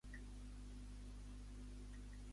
Per què ha inculpat a Mas i els sobiranistes?